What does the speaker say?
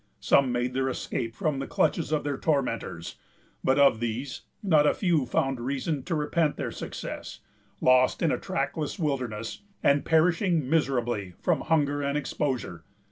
Some made their escape from the clutches of their tormentors; but of these not a few found reason to repent their success, lost in a trackless wilderness, and perishing miserably from hunger and exposure.